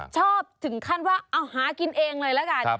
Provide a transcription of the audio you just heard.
ชอบถึงขั้นว่าเอาหากินเองเลยละกัน